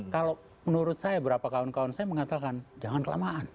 kalau menurut saya beberapa kawan kawan saya mengatakan jangan kelamaan